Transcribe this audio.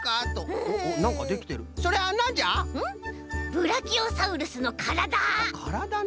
ブラキオサウルスのからだ！からだな。